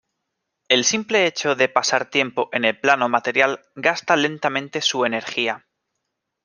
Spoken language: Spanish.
El simple hecho de pasar tiempo en el Plano Material gasta lentamente su energía.